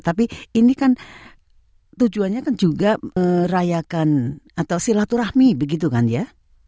tapi ini kan tujuannya kan juga merayakan atau silaturahmi begitu kan ya